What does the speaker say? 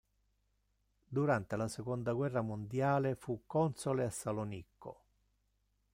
Durante la seconda guerra mondiale fu Console a Salonicco.